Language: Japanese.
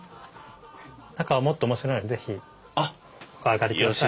中はもっと面白いので是非お上がりください。